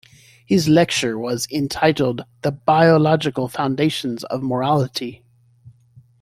His lecture was entitled "The Biological Foundations of Morality".